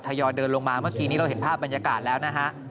ยอยเดินลงมาเมื่อกี้นี้เราเห็นภาพบรรยากาศแล้วนะฮะ